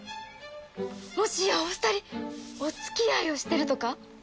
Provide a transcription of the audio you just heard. もしやお二人お付き合いをしてるとか？